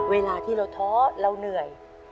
เวลาที่เราเท้าเดี๋ยวเราเหนื่อย